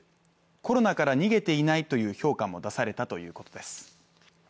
コロナから逃げていないという評価も出されたということです。